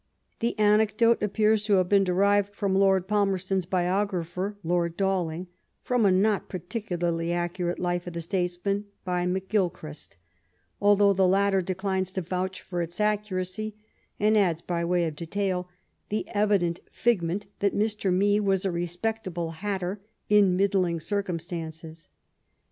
The anecdote appears to have been derived by Lord Palmerston s biographer, Lord Bailing, from a not particularly accurate life of the statesman by Mac Gilchrist, although the latter declines to vouch for its accuracy, and adds, by way of detail, the evident figment that Mr. Mee was a respectable hatter, in middling cir cumstances.